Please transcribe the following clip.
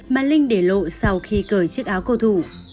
mà linh để lộ sau khi cởi chiếc áo cầu thủ